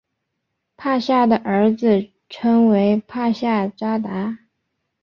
帕夏的儿子称为帕夏札达。